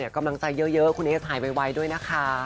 กำลังใจเยอะคุณเอสหายไวด้วยนะคะ